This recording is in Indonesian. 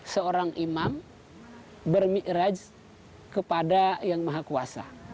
seorang imam bermiraj kepada yang maha kuasa